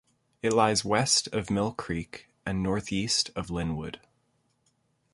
It lies west of Mill Creek and northeast of Lynnwood.